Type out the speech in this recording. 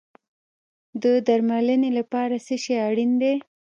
د درملنې لپاره څه شی اړین دی؟